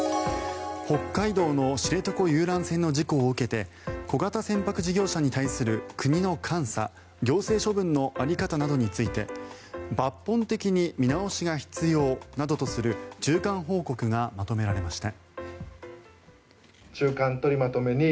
北海道の知床遊覧船の事故を受けて小型船舶事業者に対する国の監査、行政処分の在り方などについて抜本的に見直しが必要などとする中間報告がまとめられました。